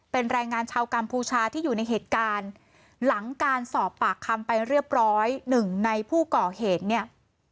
เป็นแรงงานชาวกัมพูชาที่อยู่ในเหตุการณ์หลังการสอบปากคำไปเรียบร้อยหนึ่งในผู้ก่อเหตุเนี่ย